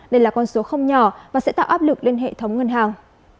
đây là con số không nhỏ và sẽ tạo áp lực lên hệ thống ngân hàng